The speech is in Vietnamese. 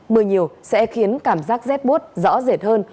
mưa nhiều sẽ khiến cảm giác rét bút rõ rệt hơn